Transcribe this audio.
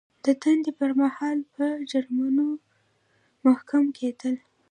د دندې پر مهال په جرمونو محکوم کیدل.